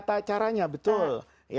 ada tata caranya betul